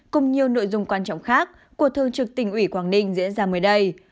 cùng nhiều nội dung quan trọng khác của thương trực tỉnh ủy quảng ninh diễn ra mới đây